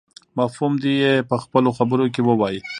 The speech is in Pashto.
مفهوم دې يې په خپلو خبرو کې ووايي.